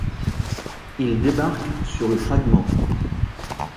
Ils débarquent sur le Fragment.